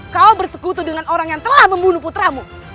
kau bersekutu dengan orang yang telah membunuh putramu